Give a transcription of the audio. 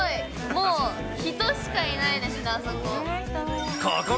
もう人しかいないですね、あそこ。